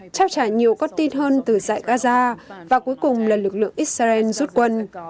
trao trả nhiều con tin hơn từ giải gaza và cuối cùng là lực lượng xrn rút quân